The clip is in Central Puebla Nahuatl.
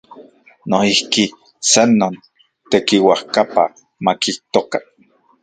Noijki, san non, tekiuajkapa makijtokan.